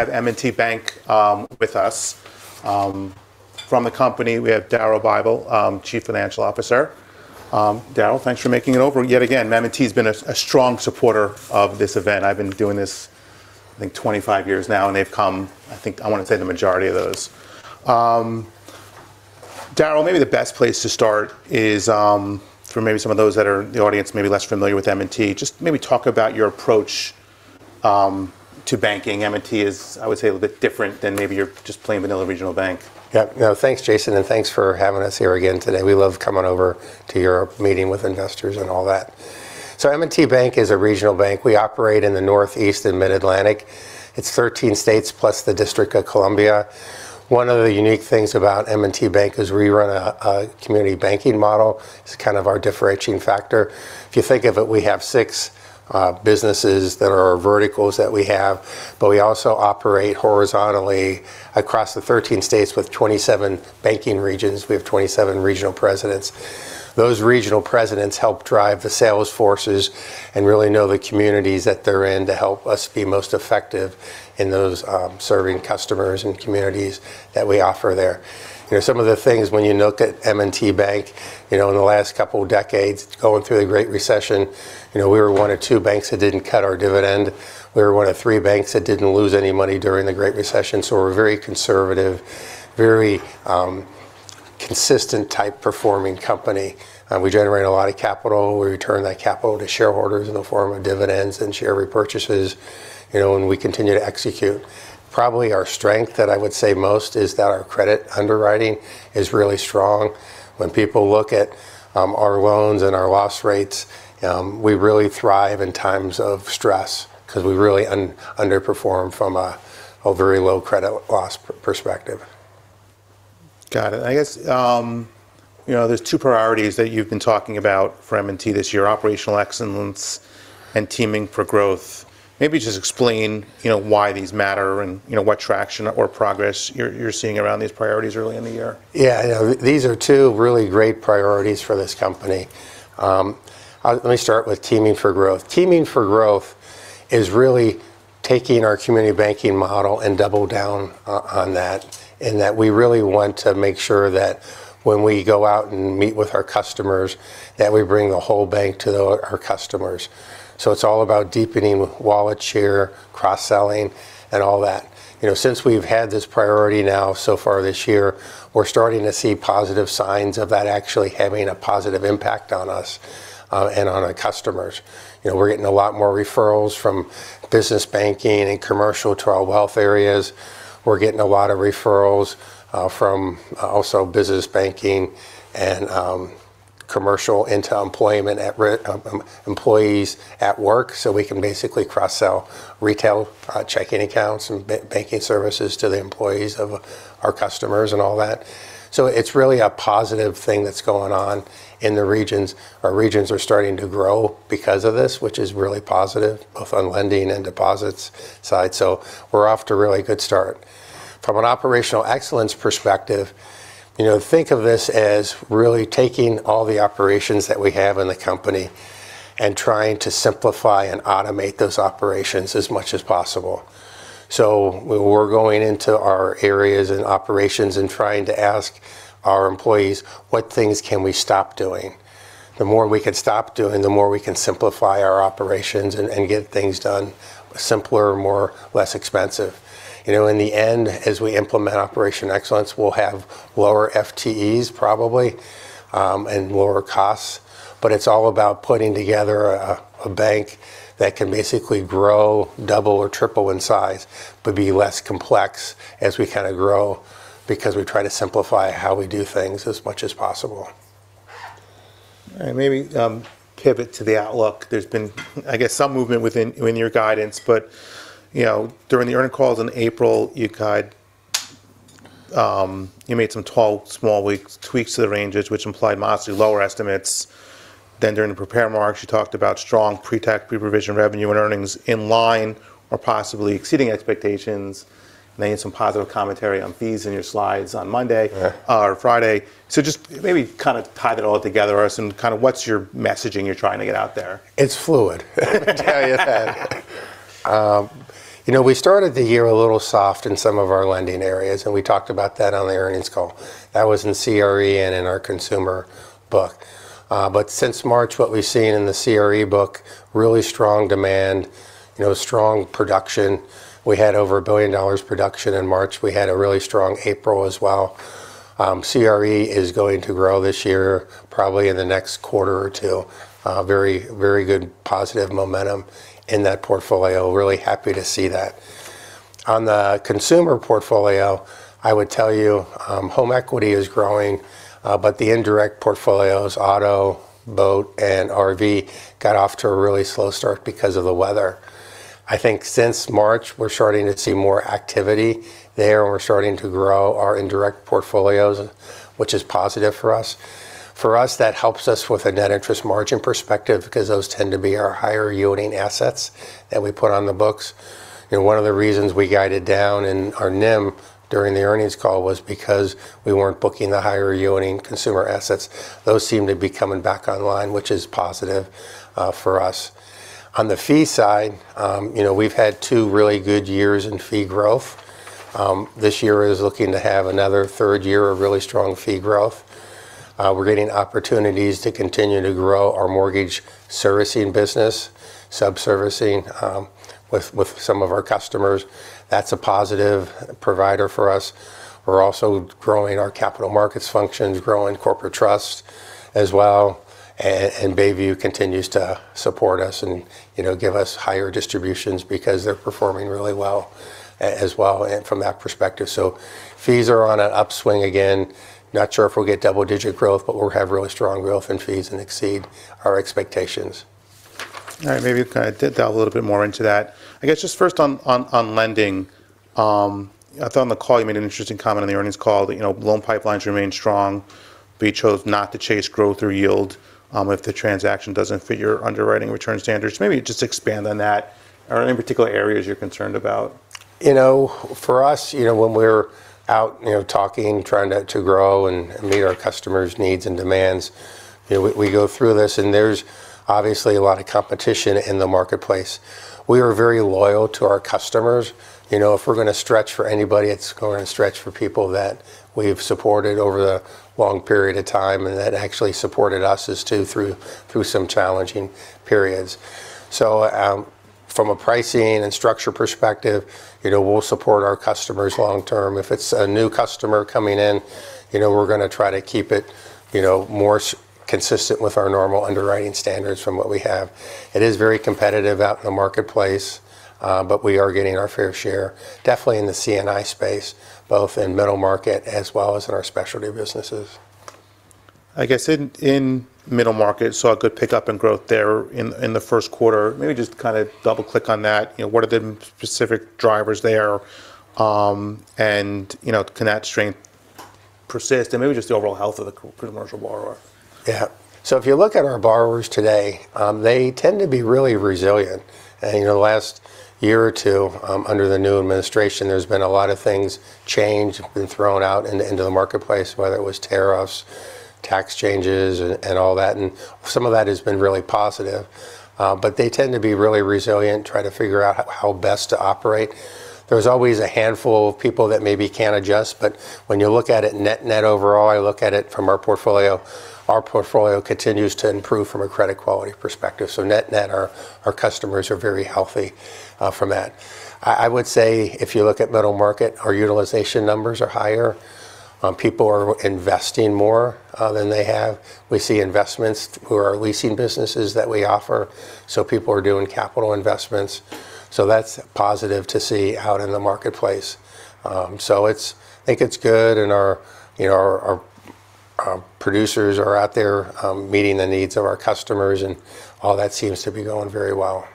We have M&T Bank with us. From the company, we have Daryl Bible, Chief Financial Officer. Daryl, thanks for making it over yet again. M&T's been a strong supporter of this event. I've been doing this, I think, 25 years now, and they've come, I think, I wanna say, the majority of those. Daryl, maybe the best place to start is for maybe some of those that are the audience may be less familiar with M&T. Just maybe talk about your approach to banking. M&T is, I would say, a bit different than maybe your just plain vanilla regional bank. Yeah. No. Thanks, Jason, and thanks for having us here again today. We love coming over to your meeting with investors and all that. M&T Bank is a regional bank. We operate in the Northeast and Mid-Atlantic. It's 13 states plus the District of Columbia. One of the unique things about M&T Bank is we run a community banking model. It's kind of our differentiating factor. If you think of it, we have six businesses that are our verticals that we have, but we also operate horizontally across the 13 states with 27 banking regions. We have 27 regional presidents. Those regional presidents help drive the sales forces and really know the communities that they're in to help us be most effective in those serving customers and communities that we offer there. You know, some of the things when you look at M&T Bank, you know, in the last couple of decades, going through the Great Recession, you know, we were one of two banks that didn't cut our dividend. We were one of three banks that didn't lose any money during the Great Recession. We're very conservative, very consistent type performing company. We generate a lot of capital. We return that capital to shareholders in the form of dividends and share repurchases, you know, and we continue to execute. Probably our strength that I would say most is that our credit underwriting is really strong. When people look at our loans and our loss rates, we really thrive in times of stress 'cause we really underperform from a very low credit loss perspective. Got it. I guess, you know, there's two priorities that you've been talking about for M&T this year, operational excellence and teaming for growth. Maybe just explain, you know, why these matter and, you know, what traction or progress you're seeing around these priorities early in the year. These are two really great priorities for this company. Let me start with Teaming for Growth. Teaming for Growth is really taking our community banking model and double down on that, in that we really want to make sure that when we go out and meet with our customers, that we bring the whole bank to our customers. It's all about deepening wallet share, cross-selling and all that. You know, since we've had this priority now so far this year, we're starting to see positive signs of that actually having a positive impact on us and on our customers. You know, we're getting a lot more referrals from business banking and commercial to our wealth areas. We're getting a lot of referrals from also business banking and commercial into employment at employees at work, so we can basically cross-sell retail checking accounts and banking services to the employees of our customers and all that. It's really a positive thing that's going on in the regions. Our regions are starting to grow because of this, which is really positive both on lending and deposits side. We're off to a really good start. From an operational excellence perspective, you know, think of this as really taking all the operations that we have in the company and trying to simplify and automate those operations as much as possible. We're going into our areas and operations and trying to ask our employees, "What things can we stop doing?" The more we can stop doing, the more we can simplify our operations and get things done simpler, more less expensive. You know, in the end, as we implement operation excellence, we'll have lower FTEs probably, and lower costs. It's all about putting together a bank that can basically grow double or triple in size, but be less complex as we kinda grow because we try to simplify how we do things as much as possible. All right. Maybe pivot to the outlook. There's been, I guess, some movement within, in your guidance. You know, during the earnings calls in April, you guide. You made some tweaks to the ranges, which implied modestly lower estimates than during the prepared remarks. You talked about strong pre-tax pre-provision revenue and earnings in line or possibly exceeding expectations. Some positive commentary on fees in your slides on Monday. Yeah or Friday. Just maybe kind of tie that all together or some kind of what's your messaging you're trying to get out there? It's fluid. I tell you that. You know, we started the year a little soft in some of our lending areas, and we talked about that on the earnings call. That was in CRE and in our consumer book. Since March, what we've seen in the CRE book, really strong demand, you know, strong production. We had over $1 billion production in March. We had a really strong April as well. CRE is going to grow this year, probably in the next quarter or 2. Very good positive momentum in that portfolio. Really happy to see that. On the consumer portfolio, I would tell you, home equity is growing, the indirect portfolios, auto, boat, and RV, got off to a really slow start because of the weather. I think since March, we're starting to see more activity there, and we're starting to grow our indirect portfolios, which is positive for us. For us, that helps us with a net interest margin perspective because those tend to be our higher-yielding assets that we put on the books. You know, one of the reasons we guided down in our NIM during the earnings call was because we weren't booking the higher-yielding consumer assets. Those seem to be coming back online, which is positive for us. On the fee side, you know, we've had two really good years in fee growth. This year is looking to have another third year of really strong fee growth. We're getting opportunities to continue to grow our mortgage servicing business, sub-servicing, with some of our customers. That's a positive provider for us. We're also growing our capital markets functions, growing corporate trust as well. Bayview continues to support us and, you know, give us higher distributions because they're performing really well as well and from that perspective. Fees are on a upswing again. Not sure if we'll get double-digit growth, but we'll have really strong growth in fees and exceed our expectations. All right, maybe kind of deep dive a little bit more into that. I guess just first on lending, I thought on the call you made an interesting comment on the earnings call that, you know, loan pipelines remain strong, but you chose not to chase growth or yield, if the transaction doesn't fit your underwriting return standards. Maybe just expand on that. Are there any particular areas you're concerned about? You know, for us, you know, when we're out, you know, talking, trying to grow and meet our customers' needs and demands, you know, we go through this, and there's obviously a lot of competition in the marketplace. We are very loyal to our customers. You know, if we're gonna stretch for anybody, it's gonna stretch for people that we've supported over the long period of time, and that actually supported us as to through some challenging periods. From a pricing and structure perspective, you know, we'll support our customers long term. If it's a new customer coming in, you know, we're gonna try to keep it, you know, more consistent with our normal underwriting standards from what we have. It is very competitive out in the marketplace, but we are getting our fair share, definitely in the C&I space, both in middle market as well as in our specialty businesses. I guess in middle market, saw a good pickup in growth there in the first quarter. Maybe just kind of double-click on that. You know, what are the specific drivers there? You know, can that strength persist? Maybe just the overall health of the commercial borrower. Yeah. If you look at our borrowers today, they tend to be really resilient. You know, the last year or two, under the new administration, there's been a lot of things change, been thrown out into the marketplace, whether it was tariffs, tax changes and all that. Some of that has been really positive. They tend to be really resilient, try to figure out how best to operate. There's always a handful of people that maybe can't adjust. When you look at it net-net overall, I look at it from our portfolio, our portfolio continues to improve from a credit quality perspective. Net-net, our customers are very healthy from that. I would say if you look at middle market, our utilization numbers are higher. People are investing more than they have. We see investments who are leasing businesses that we offer, so people are doing capital investments. That's positive to see out in the marketplace. I think it's good and our, you know, our producers are out there meeting the needs of our customers, and all that seems to be going very well.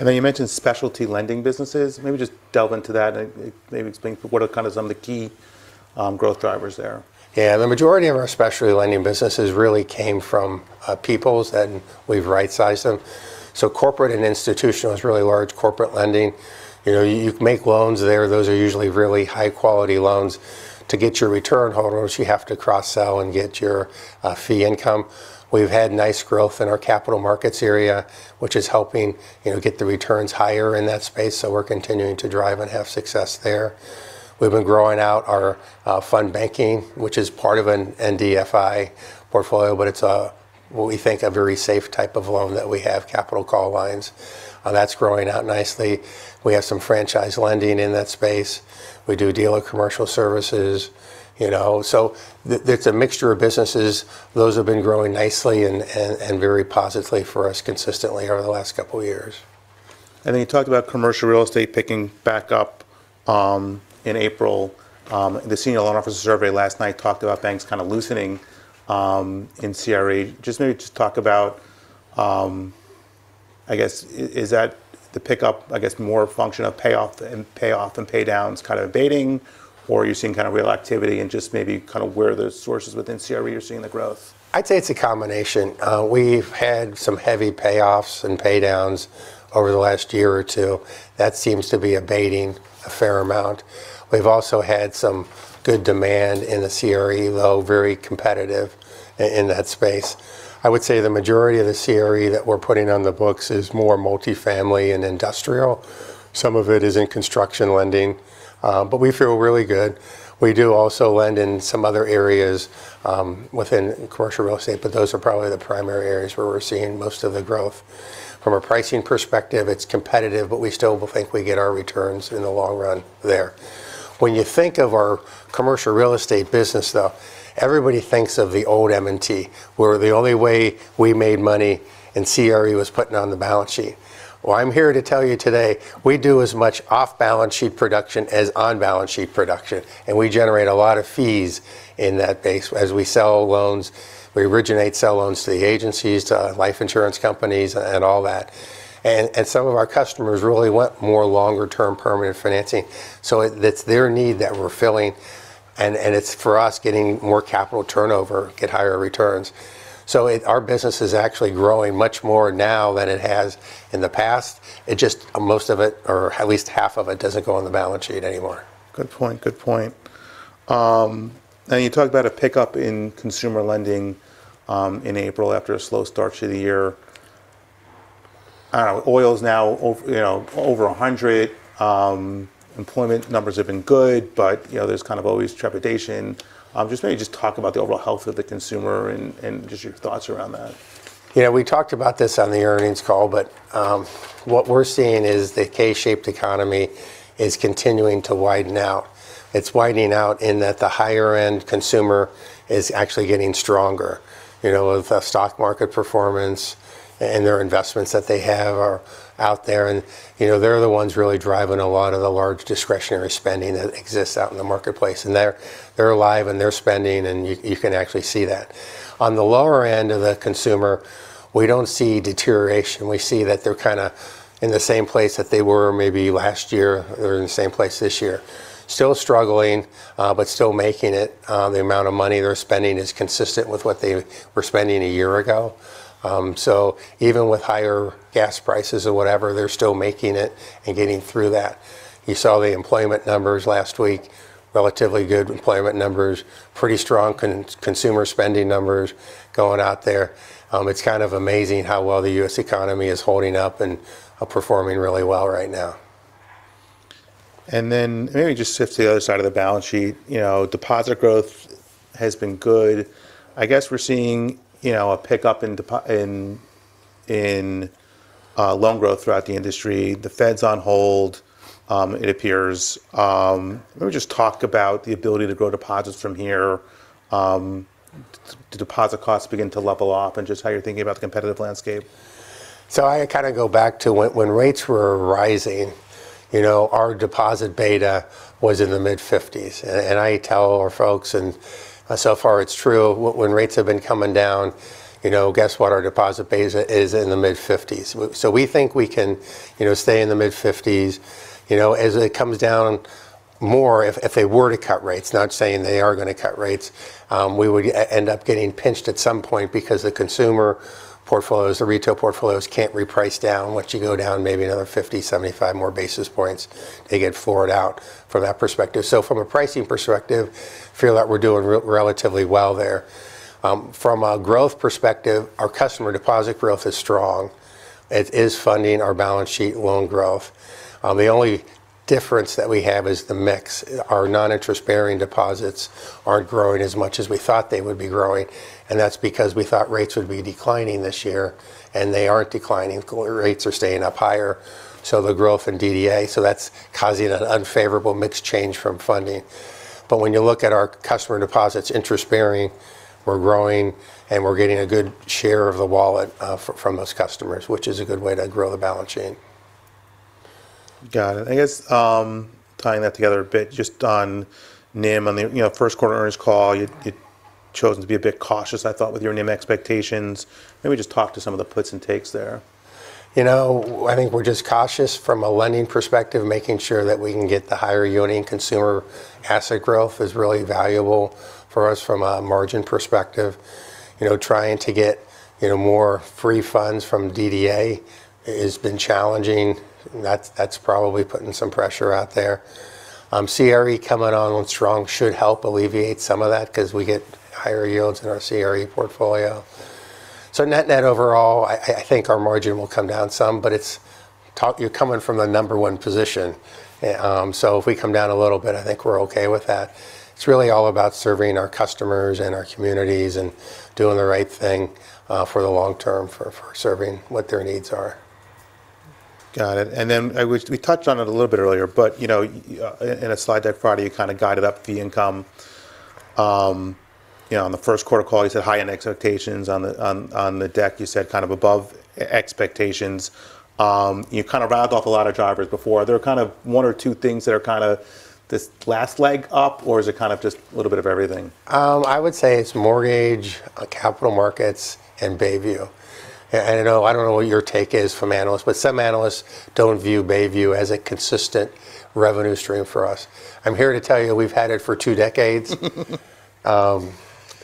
I know you mentioned specialty lending businesses. Maybe just delve into that and maybe explain what are kind of some of the key growth drivers there? The majority of our specialty lending businesses really came from People's, then we've right-sized them. Corporate and institutional is really large. Corporate lending, you know, you make loans there. Those are usually really high-quality loans. To get your return, however, you have to cross-sell and get your fee income. We've had nice growth in our capital markets area, which is helping, you know, get the returns higher in that space, so we're continuing to drive and have success there. We've been growing out our fund banking, which is part of an NBFI portfolio, but it's a, what we think, a very safe type of loan that we have, capital call lines. That's growing out nicely. We have some franchise lending in that space. We do deal with commercial services, you know. There's a mixture of businesses. Those have been growing nicely and very positively for us consistently over the last two years. You talked about commercial real estate picking back up in April. The Senior Loan Officer Survey last night talked about banks kind of loosening in CRE. Just maybe just talk about, I guess, is that the pickup, I guess, more a function of payoff and pay downs kind of abating, or are you seeing kind of real activity and just maybe kind of where the sources within CRE you're seeing the growth? I'd say it's a combination. We've had some heavy payoffs and pay downs over the last year or two. That seems to be abating a fair amount. We've also had some good demand in the CRE, though very competitive in that space. I would say the majority of the CRE that we're putting on the books is more multi-family and industrial. Some of it is in construction lending. We feel really good. We do also lend in some other areas within commercial real estate, but those are probably the primary areas where we're seeing most of the growth. From a pricing perspective, it's competitive, but we still think we get our returns in the long run there. When you think of our commercial real estate business, though, everybody thinks of the old M&T, where the only way we made money in CRE was putting it on the balance sheet. Well, I'm here to tell you today, we do as much off-balance sheet production as on-balance sheet production, and we generate a lot of fees in that base as we sell loans. We originate, sell loans to the agencies, to life insurance companies and all that. Some of our customers really want more longer-term permanent financing. It, that's their need that we're filling and it's, for us, getting more capital turnover, get higher returns. Our business is actually growing much more now than it has in the past. It just, most of it, or at least half of it, doesn't go on the balance sheet anymore. Good point. Good point. You talked about a pickup in consumer lending in April after a slow start to the year. I don't know, oil's now, you know, over 100. Employment numbers have been good, but, you know, there's kind of always trepidation. Just maybe just talk about the overall health of the consumer and just your thoughts around that. You know, we talked about this on the earnings call, but what we're seeing is the K-shaped economy is continuing to widen out. It's widening out in that the higher end consumer is actually getting stronger. You know, with the stock market performance and their investments that they have are out there, and, you know, they're the ones really driving a lot of the large discretionary spending that exists out in the marketplace, and they're alive and they're spending, and you can actually see that. On the lower end of the consumer, we don't see deterioration. We see that they're kind of in the same place that they were maybe last year. They're in the same place this year. Still struggling, but still making it. The amount of money they're spending is consistent with what they were spending a year ago. Even with higher gas prices or whatever, they're still making it and getting through that. You saw the employment numbers last week. Relatively good employment numbers. Pretty strong consumer spending numbers going out there. It's kind of amazing how well the U.S. economy is holding up and performing really well right now. Maybe just shift to the other side of the balance sheet. You know, deposit growth has been good. I guess we're seeing a pickup in loan growth throughout the industry. The Fed's on hold, it appears. Maybe just talk about the ability to grow deposits from here. Do deposit costs begin to level off? Just how you're thinking about the competitive landscape. I kind of go back to when rates were rising, you know, our deposit beta was in the mid-50s. And I tell our folks, and so far it's true, when rates have been coming down, you know, guess what? Our deposit beta is in the mid-50s. So we think we can, you know, stay in the mid-50s. You know, as it comes down more, if they were to cut rates, not saying they are gonna cut rates, we would end up getting pinched at some point because the consumer portfolios, the retail portfolios can't reprice down. Once you go down maybe another 50, 75 more basis points, they get floored out from that perspective. From a pricing perspective, feel that we're doing relatively well there. From a growth perspective, our customer deposit growth is strong. It is funding our balance sheet loan growth. The only difference that we have is the mix. Our non-interest-bearing deposits aren't growing as much as we thought they would be growing, and that's because we thought rates would be declining this year, and they aren't declining. Rates are staying up higher. The growth in DDA, that's causing an unfavorable mix change from funding. When you look at our customer deposits, interest-bearing, we're growing, and we're getting a good share of the wallet from those customers, which is a good way to grow the balance sheet. Got it. I guess, tying that together a bit, just on NIM on the, you know, first quarter earnings call. You'd chosen to be a bit cautious, I thought, with your NIM expectations. Maybe just talk to some of the puts and takes there? I think we're just cautious from a lending perspective, making sure that we can get the higher union consumer asset growth is really valuable for us from a margin perspective. Trying to get, you know, more free funds from DDA has been challenging. That's probably putting some pressure out there. CRE coming along strong should help alleviate some of that because we get higher yields in our CRE portfolio. Net-net overall, I think our margin will come down some, but you're coming from the number one position. If we come down a little bit, I think we're okay with that. It's really all about serving our customers and our communities and doing the right thing for the long term for serving what their needs are. Got it. We touched on it a little bit earlier, but, you know, in a slide deck Friday, you kind of guided up fee income. You know, on the first quarter call, you said high-end expectations. On the deck, you said kind of above expectations. You kind of rounded off a lot of drivers before. Are there kind of one or two things that are kinda this last leg up, or is it kind of just a little bit of everything? I would say it's mortgage, capital markets, and Bayview. I don't know what your take is from analysts, but some analysts don't view Bayview as a consistent revenue stream for us. I'm here to tell you we've had it for two decades.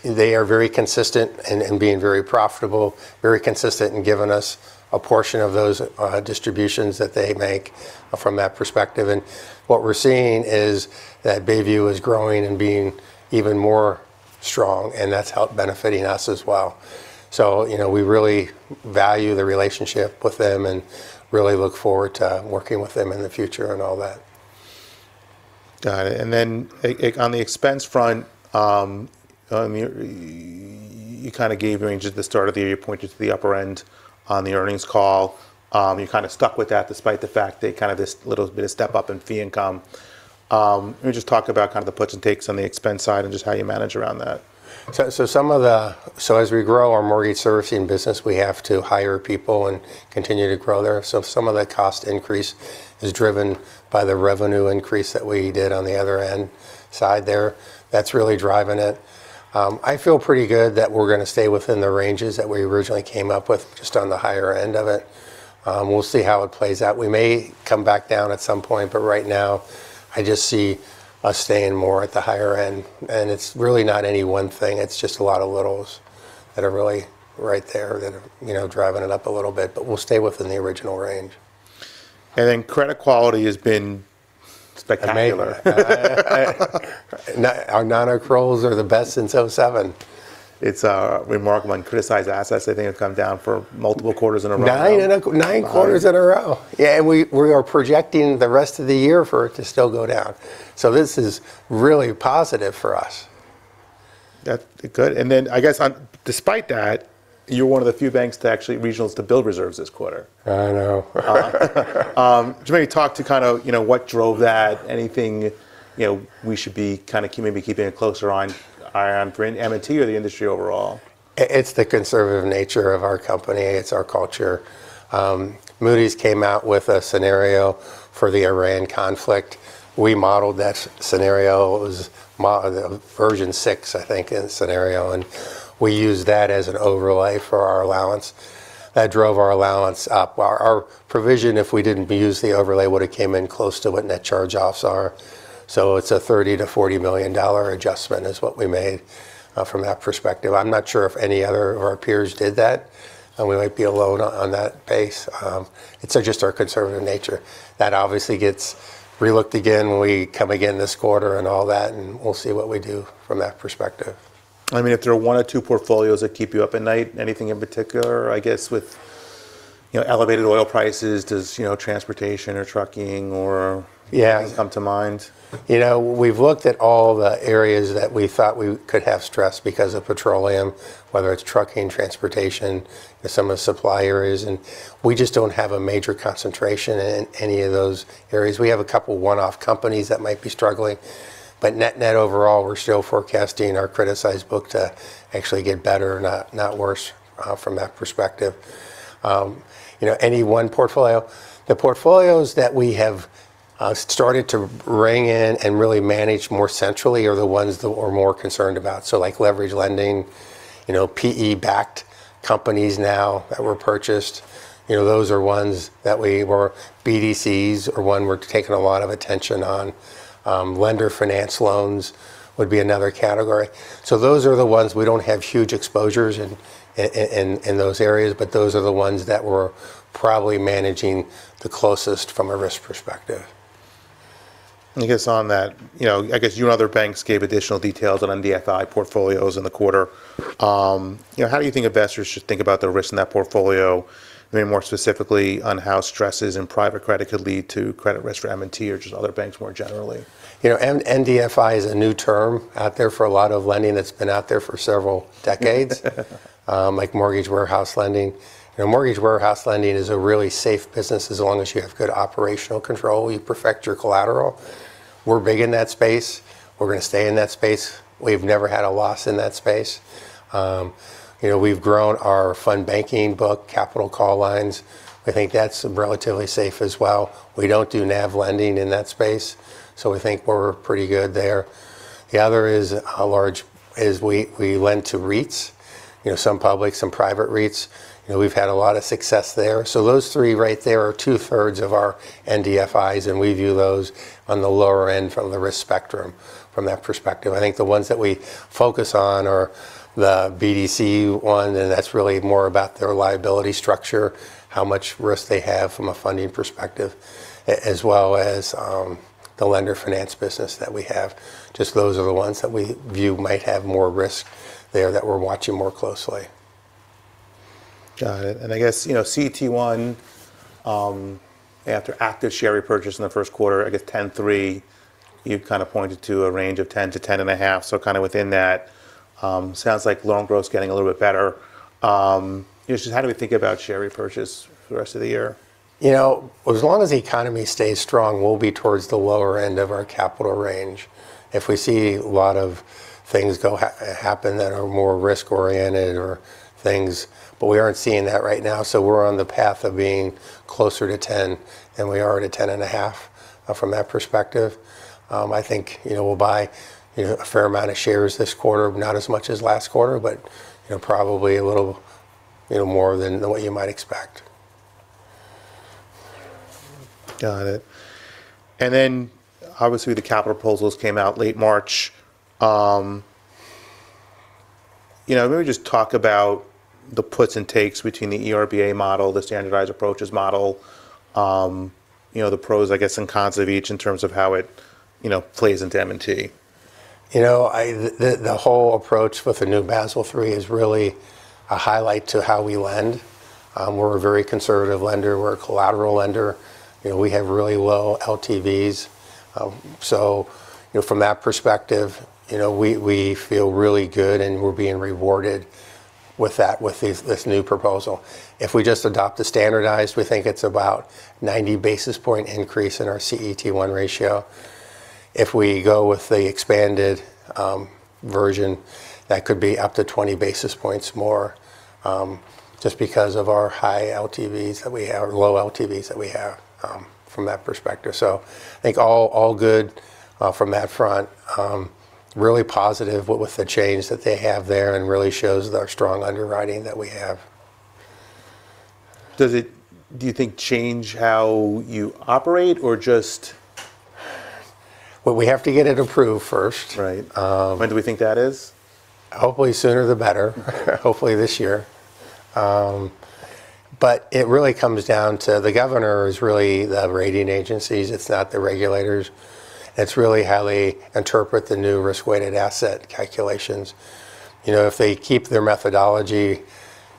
They are very consistent in being very profitable, very consistent in giving us a portion of those distributions that they make from that perspective. What we're seeing is that Bayview is growing and being even more strong, and that's benefiting us as well. You know, we really value the relationship with them and really look forward to working with them in the future and all that. Got it. On the expense front, you kind of gave range at the start of the year. You pointed to the upper end on the earnings call. You kind of stuck with that despite the fact that kind of this little bit of step up in fee income. Maybe just talk about kind of the puts and takes on the expense side and just how you manage around that? As we grow our mortgage servicing business, we have to hire people and continue to grow there. Some of the cost increase is driven by the revenue increase that we did on the other end side there. That's really driving it. I feel pretty good that we're gonna stay within the ranges that we originally came up with, just on the higher end of it. We'll see how it plays out. We may come back down at some point, but right now I just see us staying more at the higher end. It's really not any one thing. It's just a lot of littles that are really right there that are, you know, driving it up a little bit. We'll stay within the original range. Credit quality has been- Spectacular amazing. Our nonaccruals are the best since 2007. It's remarkable. Criticized assets, I think, have come down for multiple quarters in a row now. Nine in a qu- Nine nine quarters in a row. Yeah, we are projecting the rest of the year for it to still go down. This is really positive for us. That's good. I guess on despite that, you're one of the few banks to actually, regionals to build reserves this quarter. I know. Do you want to talk to kind of, you know, what drove that? Anything, you know, we should be kind of keeping a closer eye on for M&T or the industry overall? It's the conservative nature of our company. It's our culture. Moody's came out with a scenario for the Iran conflict. We modeled that scenario. It was version 6, I think, in scenario. We used that as an overlay for our allowance. That drove our allowance up. Our provision, if we didn't use the overlay, would've came in close to what net charge-offs are. It's a $30 million-$40 million adjustment is what we made from that perspective. I'm not sure if any other of our peers did that, and we might be alone on that base. It's just our conservative nature. That obviously gets re-looked again when we come again this quarter and all that, and we'll see what we do from that perspective. I mean, if there are one or two portfolios that keep you up at night, anything in particular? I guess with, you know, elevated oil prices, does, you know, transportation or trucking or? Yeah things come to mind? You know, we've looked at all the areas that we thought we could have stress because of petroleum, whether it's trucking, transportation, some of the supplier areas. We just don't have a major concentration in any of those areas. We have a couple one-off companies that might be struggling. Net-net overall, we're still forecasting our criticized book to actually get better, not worse from that perspective. You know, any one portfolio, the portfolios that we have started to rein in and really manage more centrally are the ones that we're more concerned about, like leverage lending, you know, PE-backed companies now that were purchased. BDCs are one we're taking a lot of attention on. Lender finance loans would be another category. Those are the ones, we don't have huge exposures in those areas, but those are the ones that we're probably managing the closest from a risk perspective. I guess on that, you know, I guess you and other banks gave additional details on NBFI portfolios in the quarter. You know, how do you think investors should think about the risk in that portfolio? I mean, more specifically on how stresses in private credit could lead to credit risk for M&T or just other banks more generally. You know, NBFI is a new term out there for a lot of lending that's been out there for several decades. Like mortgage warehouse lending. You know, mortgage warehouse lending is a really safe business as long as you have good operational control, you perfect your collateral. We're big in that space. We're gonna stay in that space. We've never had a loss in that space. You know, we've grown our fund banking book, capital call lines. We think that's relatively safe as well. We don't do NAV lending in that space, so we think we're pretty good there. The other is how large we lend to REITs, you know, some public, some private REITs. You know, we've had a lot of success there. Those three right there are two-thirds of our NBFIs, and we view those on the lower end from the risk spectrum from that perspective. I think the ones that we focus on are the BDC 1, and that's really more about their liability structure, how much risk they have from a funding perspective, as well as the lender finance business that we have. Just those are the ones that we view might have more risk there that we're watching more closely. Got it. I guess, you know, CET1 after active share repurchase in the first quarter, I guess 10.3%. You kind of pointed to a range of 10%-10.5%, kind of within that. Sounds like loan growth's getting a little bit better. You know, how do we think about share repurchase for the rest of the year? You know, as long as the economy stays strong, we'll be towards the lower end of our capital range. If we see a lot of things go happen that are more risk-oriented. We aren't seeing that right now, we're on the path of being closer to 10. We are at a 10 and a half from that perspective. I think, you know, we'll buy, you know, a fair amount of shares this quarter. Not as much as last quarter, but, you know, probably a little, you know, more than what you might expect. Got it. Obviously the capital proposals came out late March. You know, maybe just talk about the puts and takes between the ERBA model, the standardized approaches model, you know, the pros, I guess, and cons of each in terms of how it, you know, plays into M&T. You know, the whole approach with the new Basel III is really a highlight to how we lend. We're a very conservative lender. We're a collateral lender. You know, we have really low LTVs. You know, from that perspective, you know, we feel really good, and we're being rewarded with that, with these, this new proposal. If we just adopt the standardized, we think it's about 90 basis point increase in our CET1 ratio. If we go with the expanded version, that could be up to 20 basis points more, just because of our high LTVs that we have, or low LTVs that we have, from that perspective. I think all good from that front. Really positive with the change that they have there and really shows our strong underwriting that we have. Does it, do you think, change how you operate or just? Well, we have to get it approved first. Right. When do we think that is? Hopefully sooner the better. Hopefully this year. It really comes down to the governor is really the rating agencies. It's not the regulators. It's really how they interpret the new risk-weighted asset calculations. You know, if they keep their methodology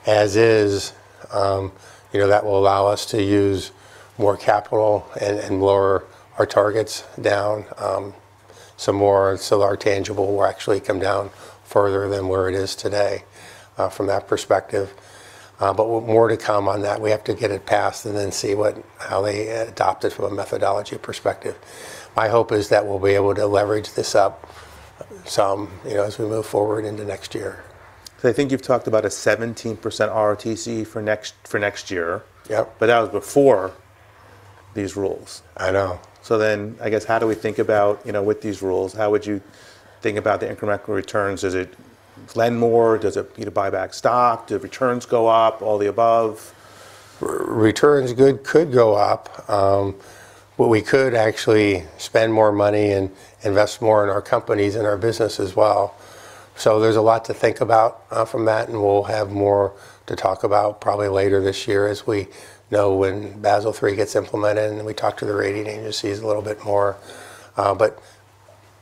as is, you know, that will allow us to use more capital and lower our targets down some more. Our tangible will actually come down further than where it is today from that perspective. More to come on that. We have to get it passed then see how they adopt it from a methodology perspective. My hope is that we'll be able to leverage this up some, you know, as we move forward into next year. I think you've talked about a 17% ROTCE for next year. Yep. That was before these rules. I know. I guess, how do we think about, you know, with these rules, how would you think about the incremental returns? Does it lend more? Does it, you know, buy back stock? Do returns go up? All the above? Returns good could go up. We could actually spend more money and invest more in our companies and our business as well. There's a lot to think about from that, and we'll have more to talk about probably later this year as we know when Basel III gets implemented and then we talk to the rating agencies a little bit more.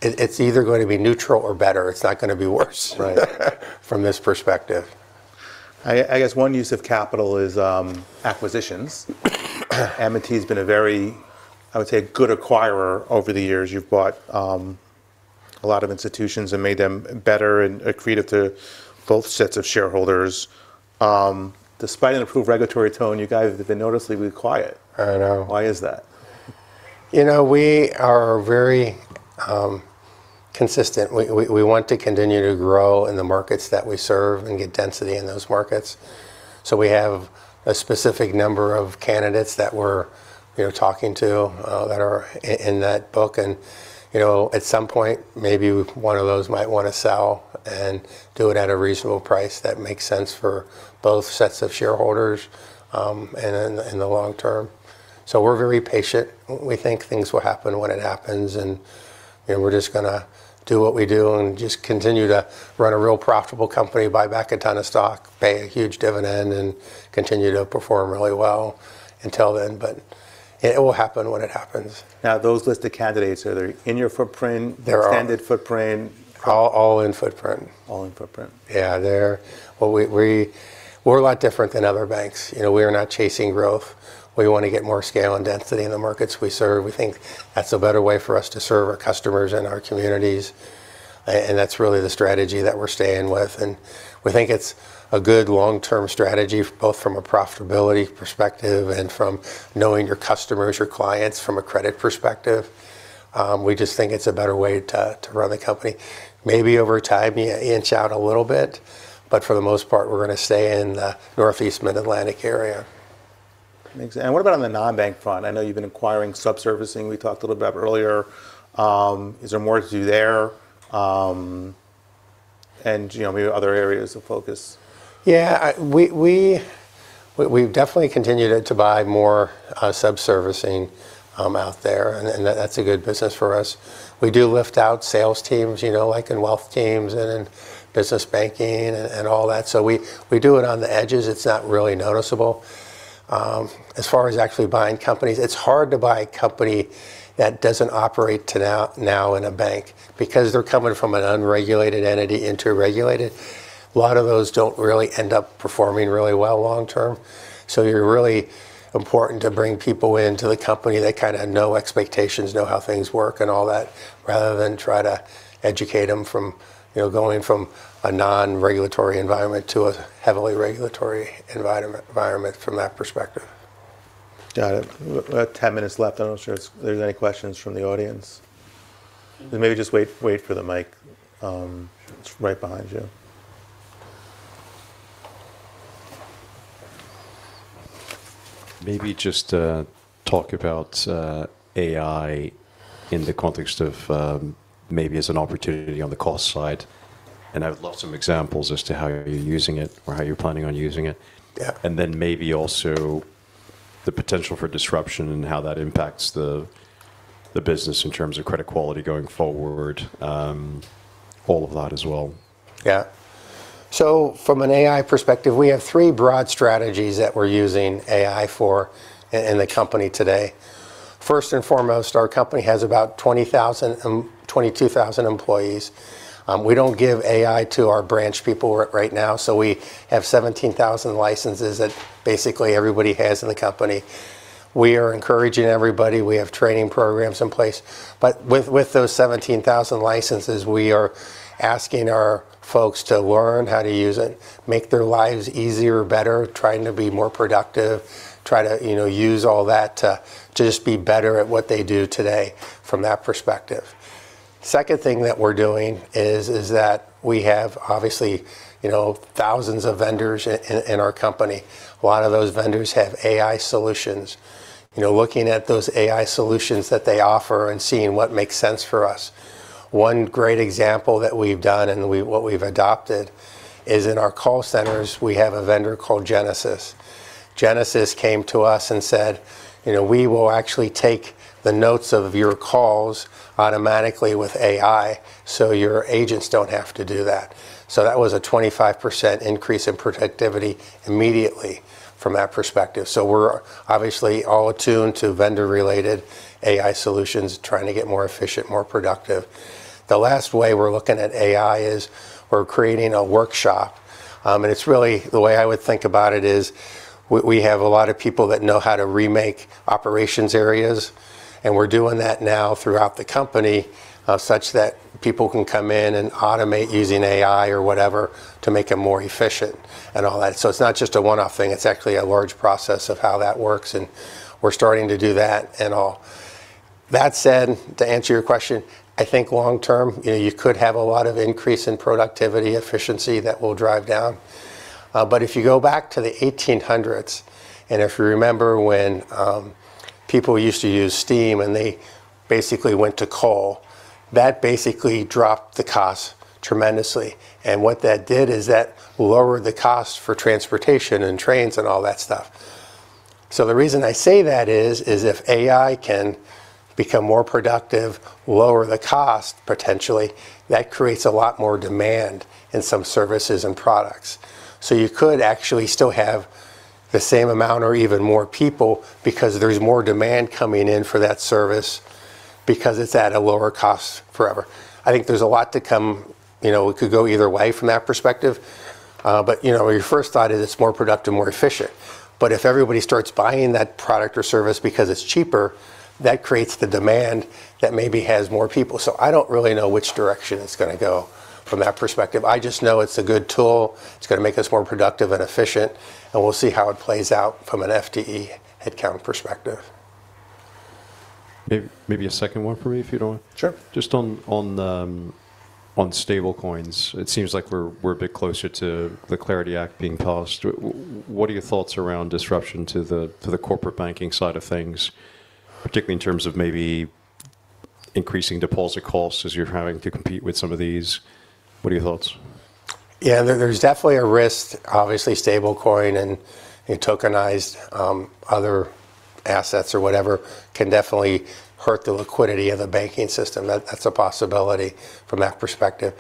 It's either gonna be neutral or better. It's not gonna be worse. Right from this perspective. I guess one use of capital is acquisitions. M&T's been a very, I would say, a good acquirer over the years. You've bought a lot of institutions and made them better and accreted to both sets of shareholders. Despite an improved regulatory tone, you guys have been noticeably quiet. I know. Why is that? You know, we are very consistent. We want to continue to grow in the markets that we serve and get density in those markets. We have a specific number of candidates that we're talking to that are in that book. You know, at some point, maybe one of those might wanna sell and do it at a reasonable price that makes sense for both sets of shareholders and in the long term. We're very patient. We think things will happen when it happens, and, you know, we're just gonna do what we do and just continue to run a real profitable company, buy back a ton of stock, pay a huge dividend, and continue to perform really well until then, but it will happen when it happens. Those listed candidates, are they in your footprint? They are. Their candid footprint? All in footprint. All in footprint. We're a lot different than other banks. You know, we are not chasing growth. We wanna get more scale and density in the markets we serve. We think that's a better way for us to serve our customers and our communities. That's really the strategy that we're staying with. We think it's a good long-term strategy both from a profitability perspective and from knowing your customers, your clients from a credit perspective. We just think it's a better way to run the company. Maybe over time, inch out a little bit, but for the most part, we're gonna stay in the Northeast Mid-Atlantic area. What about on the non-bank front? I know you've been acquiring sub-servicing. We talked a little bit earlier. Is there more to do there? You know, maybe other areas of focus? Yeah. We've definitely continued to buy more sub-servicing out there, and that's a good business for us. We do lift out sales teams, you know, like in wealth teams and in business banking and all that. We do it on the edges. It's not really noticeable. As far as actually buying companies, it's hard to buy a company that doesn't operate now in a bank because they're coming from an unregulated entity into regulated. A lot of those don't really end up performing really well long term, you're really important to bring people into the company that kinda know expectations, know how things work and all that, rather than try to educate them from, you know, going from a non-regulatory environment to a heavily regulatory environment from that perspective. Got it. We're at 10 minutes left. I'm not sure if there's any questions from the audience. Maybe just wait for the mic. Sure it's right behind you. Maybe just talk about AI in the context of maybe as an opportunity on the cost side. I would love some examples as to how you're using it or how you're planning on using it. Yeah. Maybe also the potential for disruption and how that impacts the business in terms of credit quality going forward. All of that as well. Yeah. From an AI perspective, we have three broad strategies that we're using AI for in the company today. First and foremost, our company has about 20,000, 22,000 employees. We don't give AI to our branch people right now, so we have 17,000 licenses that basically everybody has in the company. We are encouraging everybody. We have training programs in place. With those 17,000 licenses, we are asking our folks to learn how to use it, make their lives easier, better, trying to be more productive, try to, you know, use all that to just be better at what they do today from that perspective. Second thing that we're doing is that we have obviously, you know, thousands of vendors in our company. A lot of those vendors have AI solutions. You know, looking at those AI solutions that they offer and seeing what makes sense for us. One great example that we've done and what we've adopted is in our call centers, we have a vendor called Genesys. Genesys came to us and said, you know, We will actually take the notes of your calls automatically with AI so your agents don't have to do that. That was a 25% increase in productivity immediately from that perspective. We're obviously all attuned to vendor-related AI solutions, trying to get more efficient, more productive. The last way we're looking at AI is we're creating a workshop. It's really The way I would think about it is we have a lot of people that know how to remake operations areas, and we're doing that now throughout the company, such that people can come in and automate using AI or whatever to make it more efficient and all that. It's not just a one-off thing. It's actually a large process of how that works, and we're starting to do that and all. That said, to answer your question, I think long term, you know, you could have a lot of increase in productivity, efficiency that will drive down. If you go back to the 1800s and if you remember when, people used to use steam and they basically went to coal, that basically dropped the cost tremendously. What that did is that lowered the cost for transportation and trains and all that stuff. The reason I say that is if AI can become more productive, lower the cost potentially, that creates a lot more demand in some services and products. You could actually still have the same amount or even more people because there's more demand coming in for that service because it's at a lower cost forever. I think there's a lot to come. You know, it could go either way from that perspective. You know, your first thought is it's more productive, more efficient. If everybody starts buying that product or service because it's cheaper, that creates the demand that maybe has more people. I don't really know which direction it's gonna go from that perspective. I just know it's a good tool. It's gonna make us more productive and efficient, and we'll see how it plays out from an FTE headcount perspective. Maybe a second one for me. Sure. Just on stable coins. It seems like we're a bit closer to the CLARITY Act being passed. What are your thoughts around disruption to the corporate banking side of things, particularly in terms of maybe increasing deposit costs as you're having to compete with some of these? What are your thoughts? There's definitely a risk. Obviously stable coin and tokenized other assets or whatever can definitely hurt the liquidity of the banking system. That's a possibility from that perspective.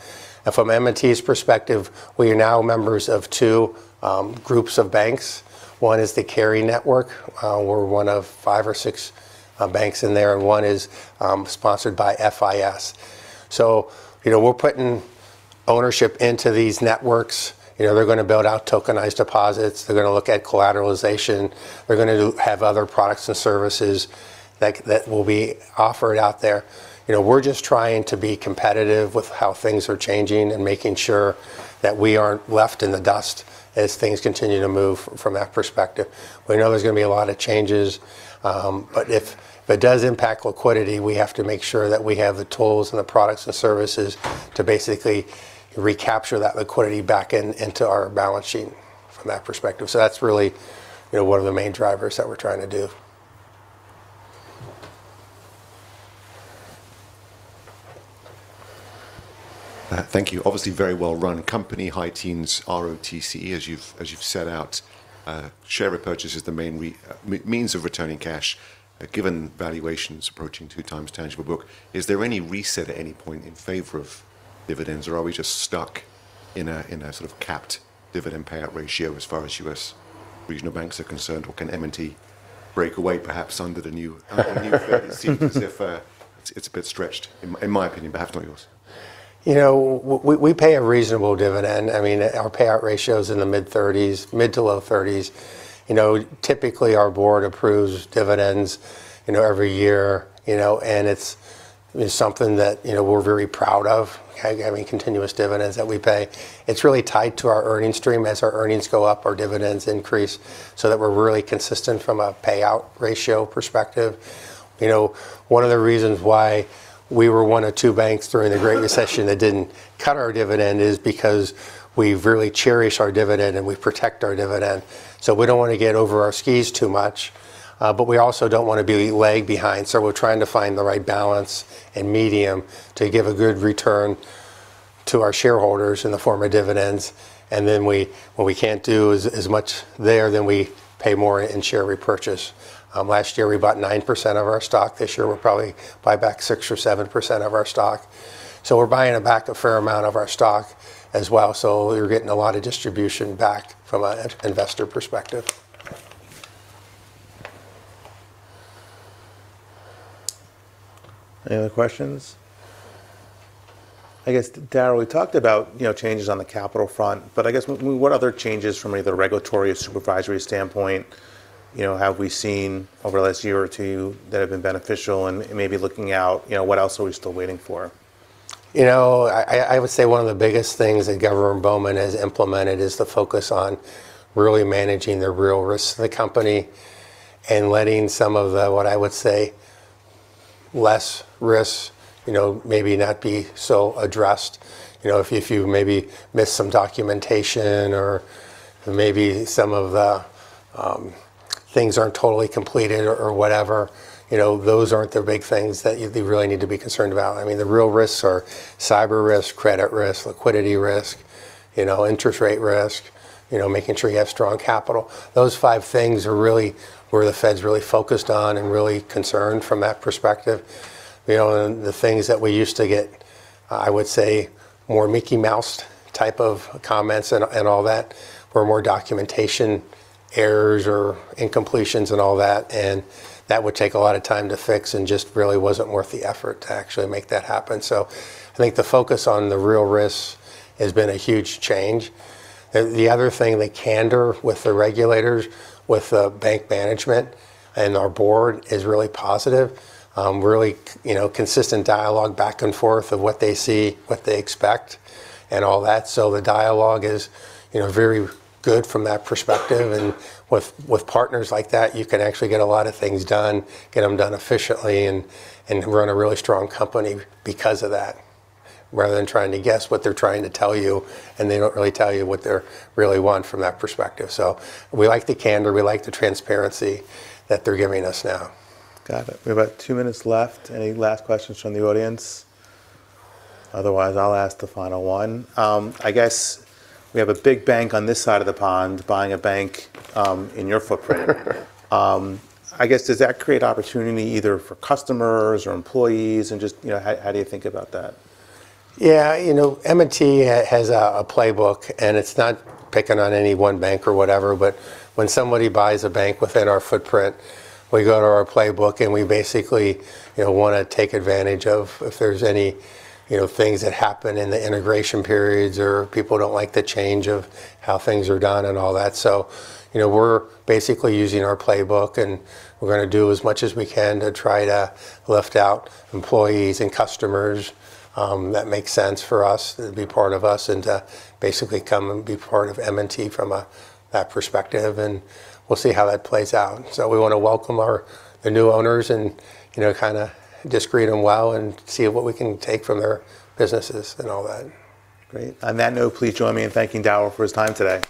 From M&T's perspective, we are now members of two groups of banks. One is the Cari Network. We're 1 of 5 or 6 banks in there, and 1 is sponsored by FIS. You know, we're putting ownership into these networks. You know, they're gonna build out tokenized deposits. They're gonna look at collateralization. They're gonna have other products and services that will be offered out there. You know, we're just trying to be competitive with how things are changing and making sure that we aren't left in the dust as things continue to move from that perspective. We know there's gonna be a lot of changes. If it does impact liquidity, we have to make sure that we have the tools and the products and services to basically recapture that liquidity into our balance sheet from that perspective. That's really, you know, one of the main drivers that we're trying to do. Thank you. Obviously very well run company, high teens ROTCE as you've set out. Share repurchase is the main means of returning cash. Given valuations approaching 2x tangible book, is there any reset at any point in favor of dividends, or are we just stuck in a sort of capped dividend payout ratio as far as U.S. regional banks are concerned? Or can M&T break away perhaps under the new fairness, even if it's a bit stretched, in my opinion, but perhaps not yours. You know, we pay a reasonable dividend. I mean, our payout ratio is in the mid-30s, mid to low 30s. You know, typically our board approves dividends, you know, every year, you know. It's something that, you know, we're very proud of, having continuous dividends that we pay. It's really tied to our earnings stream. As our earnings go up, our dividends increase so that we're really consistent from a payout ratio perspective. You know, one of two banks during the Great Recession that didn't cut our dividend is because we really cherish our dividend and we protect our dividend. We don't want to get over our skis too much, but we also don't want to be lag behind. We're trying to find the right balance and medium to give a good return to our shareholders in the form of dividends, and then what we can't do as much there, then we pay more in share repurchase. Last year we bought 9% of our stock. This year we'll probably buy back 6% or 7% of our stock. We're buying back a fair amount of our stock as well. You're getting a lot of distribution back from an investor perspective. Any other questions? I guess, Daryl, we talked about, you know, changes on the capital front, but I guess what other changes from either regulatory or supervisory standpoint, you know, have we seen over the last year or two that have been beneficial? Maybe looking out, you know, what else are we still waiting for? You know, I would say one of the biggest things that Governor Bowman has implemented is the focus on really managing the real risks of the company and letting some of the, what I would say, less risks, you know, maybe not be so addressed. You know, if you maybe missed some documentation or maybe some of the things aren't totally completed or whatever, you know, those aren't the big things that you really need to be concerned about. I mean, the real risks are cyber risk, credit risk, liquidity risk, you know, interest rate risk, you know, making sure you have strong capital. Those five things are really where the Fed's really focused on and really concerned from that perspective. You know, the things that we used to get, I would say, more Mickey Mouse type of comments and all that were more documentation errors or incompletions and all that, and that would take a lot of time to fix and just really wasn't worth the effort to actually make that happen. I think the focus on the real risks has been a huge change. The other thing, the candor with the regulators, with the bank management and our board is really positive. Really you know, consistent dialogue back and forth of what they see, what they expect and all that. The dialogue is, you know, very good from that perspective. With partners like that, you can actually get a lot of things done, get them done efficiently and run a really strong company because of that, rather than trying to guess what they're trying to tell you, and they don't really tell you what they really want from that perspective. We like the candor, we like the transparency that they're giving us now. Got it. We have about two minutes left. Any last questions from the audience? Otherwise, I'll ask the final one. I guess we have a big bank on this side of the pond buying a bank in your footprint. I guess does that create opportunity either for customers or employees and just, you know, how do you think about that? Yeah. You know, M&T has a playbook, and it's not picking on any one bank or whatever, but when somebody buys a bank within our footprint, we go to our playbook, and we basically, you know, wanna take advantage of if there's any, you know, things that happen in the integration periods or people don't like the change of how things are done and all that. You know, we're basically using our playbook, and we're gonna do as much as we can to try to lift out employees and customers that make sense for us to be part of us and to basically come and be part of M&T from a, that perspective, and we'll see how that plays out. We want to welcome the new owners and, you know, kinda just greet them well and see what we can take from their businesses and all that. Great. On that note, please join me in thanking Daryl for his time today.